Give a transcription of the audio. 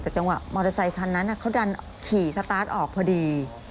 แต่จังหวะมอเตอร์ไซคันนั้นเขาดันขี่สตาร์ทออกพอดี